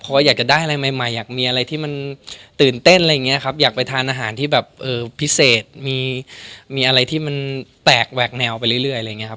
เพราะว่าอยากจะได้อะไรใหม่อยากมีอะไรที่มันตื่นเต้นอะไรอย่างนี้ครับอยากไปทานอาหารที่แบบพิเศษมีอะไรที่มันแตกแหวกแนวไปเรื่อยอะไรอย่างเงี้ครับ